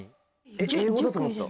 英語だと思ってた。